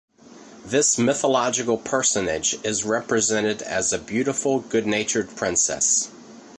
This mythological personage is represented as a beautiful good-natured princess.